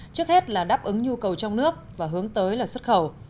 trước hết là đáp ứng nhu cầu trong nước và hướng tới là xuất khẩu